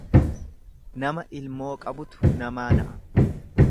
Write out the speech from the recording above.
Nama ilmoo qabutu namaa na'a.